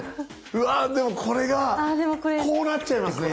うわでもこれがこうなっちゃいますね。